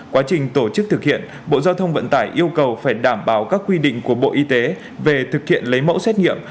quá trình tổ chức thực hiện bộ giao thông vận tải yêu cầu phải đảm bảo các quy định của bộ y tế về thực hiện lấy mẫu xét nghiệm